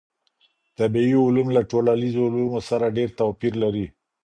طبیعي علوم له ټولنیزو علومو سره ډېر توپیر لري.